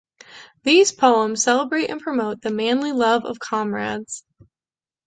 These poems celebrate and promote "the manly love of comrades".